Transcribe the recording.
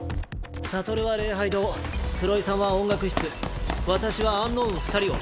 悟は礼拝堂黒井さんは音楽室私はアンノウン２人を。